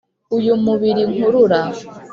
Uyu mubiri nkurura